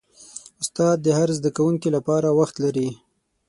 استاد د هر زده کوونکي لپاره وخت لري.